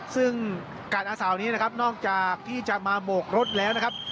ซึ่งการอาสาวนี้นะครับนอกจากที่จะมาโบกรถแล้วนะครับ